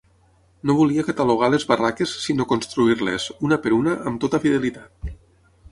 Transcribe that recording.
No volia catalogar les barraques sinó construir-les, una per una, amb tota fidelitat.